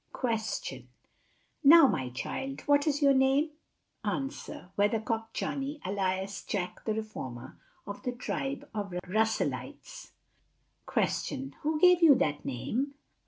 Question. Now my child, what is your Name? Answer. Weathercock Johnny, alias Jack the Reformer, of the tribe of Russellites. Q. Who gave you that Name?